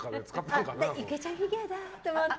郁恵ちゃんフィギュアだと思って。